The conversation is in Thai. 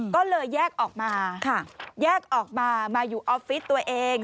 ก็เลยแยกออกมามาอยู่ออฟฟิศตัวเอง